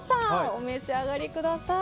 お召し上がりください。